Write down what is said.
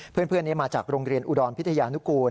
เพื่อนนี้มาจากโรงเรียนอุดรพิทยานุกูล